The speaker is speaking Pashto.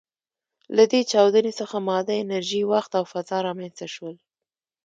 له دې چاودنې څخه ماده، انرژي، وخت او فضا رامنځ ته شول.